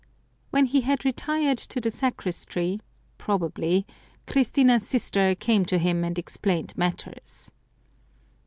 When he had retired to the sacristy, probably, Christina's sister came to him and explained matters.